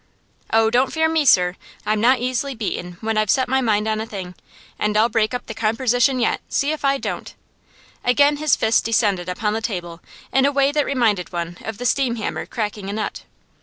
'Oh, don't fear me, sir! I'm not easily beaten when I've set my mind on a thing, and I'll break up the compersition yet, see if I don't!' Again his fist descended upon the table in a way that reminded one of the steam hammer cracking a nut.